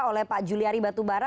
oleh pak juliari batubara